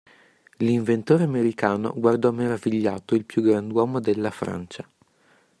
L'inventore americano guardò maravigliato il più grand'uomo della Francia.